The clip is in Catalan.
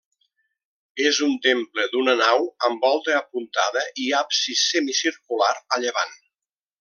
És un temple d'una nau amb volta apuntada i absis semicircular a llevant.